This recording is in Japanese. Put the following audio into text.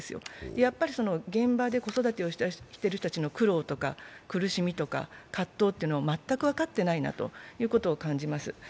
やっぱり現場で子育てをしている人たちの苦労とか苦しみとか葛藤というのを全く分かってないなと感じます。